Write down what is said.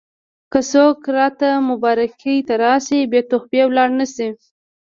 که څوک راته مبارکۍ ته راشي بې تحفې لاړ نه شي.